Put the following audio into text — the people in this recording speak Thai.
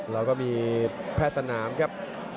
แล้วก็มีแพทย์สนามครับ